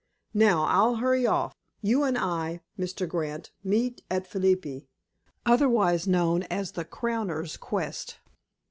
"Now, I'll hurry off. You and I, Mr. Grant, meet at Philippi, otherwise known as the crowner's quest."